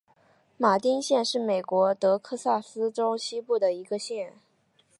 马丁县是美国德克萨斯州西部的一个县。